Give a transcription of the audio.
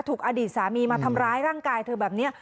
อดีตสามีมาทำร้ายร่างกายเธอแบบนี้